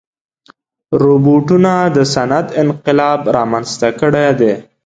روبوټونه د صنعت انقلاب رامنځته کړی دی.